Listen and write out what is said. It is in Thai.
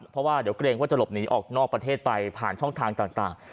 เพราะว่าเดี๋ยวเกรงว่าจะหลบหนีออกนอกประเทศไปผ่านช่องทางต่าง